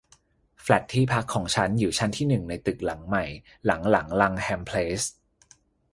แฟลตที่พักของฉันอยู่ชั้นที่หนึ่งในตึกหลังใหม่หลังหลังลังแฮมเพลส